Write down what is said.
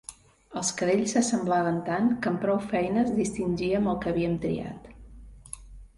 Els cadells s'assemblaven tant que amb prou feines distingíem el que havíem triat.